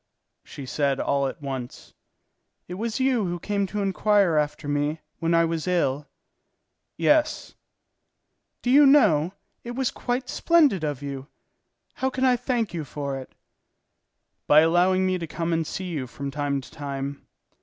"So," said she all at once, "it was you who came to inquire after me when I was ill?" "Yes." "Do you know, it was quite splendid of you! How can I thank you for it?" "By allowing me to come and see you from time to time."